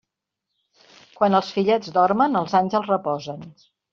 Quan els fillets dormen, els àngels reposen.